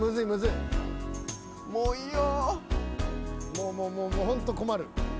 もうもうホント困る。